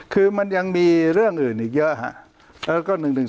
คือมันยังมีเรื่องอื่นอีกเยอะค่ะแล้วก็๑๑๒